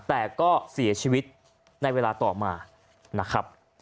แต่ก็เสียชีวิตในเวลาต่อมานะครับ